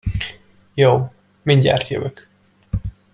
Jó, mindjárt jövök.